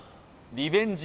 リベンジ